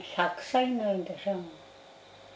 １００歳になるでしょ。